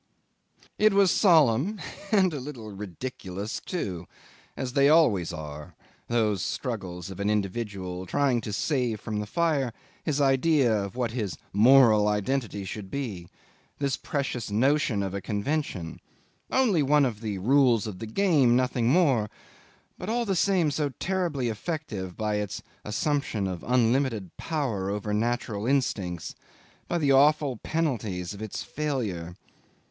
'It was solemn, and a little ridiculous too, as they always are, those struggles of an individual trying to save from the fire his idea of what his moral identity should be, this precious notion of a convention, only one of the rules of the game, nothing more, but all the same so terribly effective by its assumption of unlimited power over natural instincts, by the awful penalties of its failure.